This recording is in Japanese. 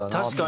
確かに。